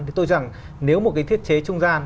thì tôi rằng nếu một cái thiết chế trung gian